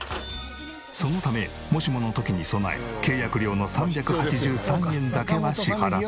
そのためもしもの時に備え契約料の３８３円だけは支払っている。